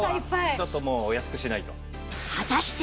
ちょっともうお安くしないと。